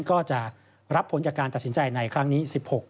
ก็จะรับผลจากการตัดสินใจในครั้งนี้๑๖